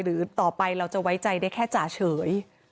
หรือต่อไปเราจะไว้ใจได้แค่จ่าเฉย